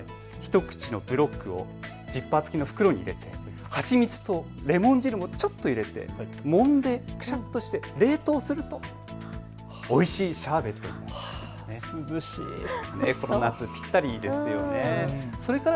ひとくちのブロックをジッパー付きの袋に入れて蜂蜜とレモン汁もちょっと入れて、もんでくしゃっとして冷凍するとおいしいシャーベットになるということなんです。